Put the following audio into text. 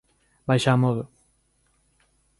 Baixa amodo.